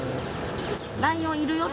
ライオンいるよ